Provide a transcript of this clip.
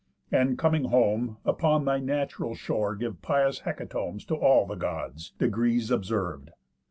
And, coming home, upon thy natural shore, Give pious hecatombs to all the Gods, Degrees observ'd.